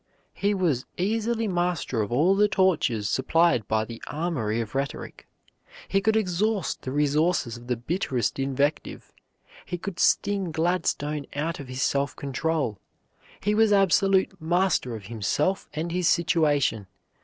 He was easily master of all the tortures supplied by the armory of rhetoric; he could exhaust the resources of the bitterest invective; he could sting Gladstone out of his self control; he was absolute master of himself and his situation.